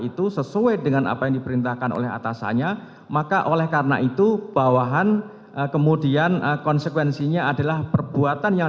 itu sesuai dengan apa yang diperintahkan oleh atasan atasan yang diperlukan oleh atasan atasan yang